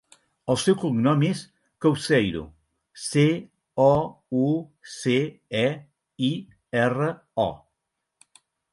El seu cognom és Couceiro: ce, o, u, ce, e, i, erra, o.